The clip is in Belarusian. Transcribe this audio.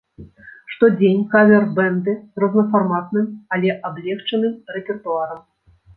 Штодзень кавер-бэнды з рознафарматным, але аблегчаным рэпертуарам.